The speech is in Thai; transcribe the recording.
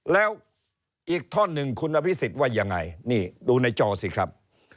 แล้วอีกท่อนหนึ่งคุณอภิษฎว่ายังไงนี่ดูในจอสิครับ